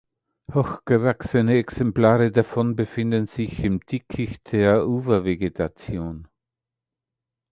Hochgewachsene Exemplare davon befinden sich im Dickicht der Ufervegetation.